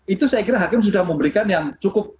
itu saya kira hakim sudah memberikan yang cukup